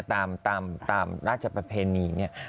แต่จริงตามราชประเพณีนี่